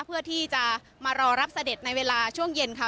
เพื่อที่จะมารอรับเสด็จในเวลาช่วงเย็นค่ะ